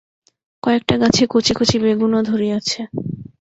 কয়েকটা গাছে কচি কচি বেগুনও ধরিয়াছে।